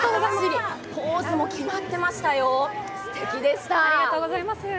ポーズも決まってましたよ、すてきでした。